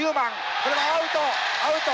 これはアウト！